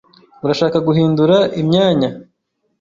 Urashaka guhindura imyanya?